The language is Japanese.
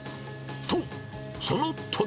と、そのとき。